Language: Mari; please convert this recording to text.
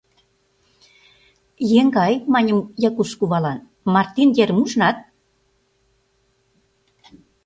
— Еҥгай, — маньым Якуш кувалан, — Мартин ерым ужынат?